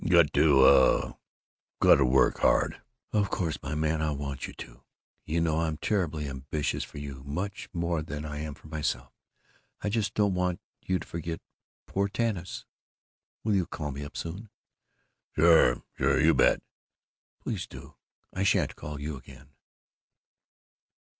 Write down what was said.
Got to, uh, got to work hard." "Of course, my man! I want you to. You know I'm terribly ambitious for you; much more than I am for myself. I just don't want you to forget poor Tanis. Will you call me up soon?" "Sure! Sure! You bet!" "Please do. I sha'n't call you again."